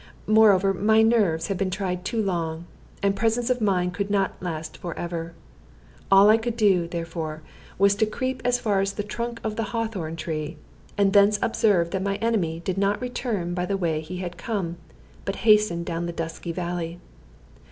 Moreover, my nerves had been tried too long, and presence of mind could not last forever. All I could do, therefore, was to creep as far as the trunk of the hawthorn tree, and thence observe that my enemy did not return by the way he had come, but hastened down the dusky valley.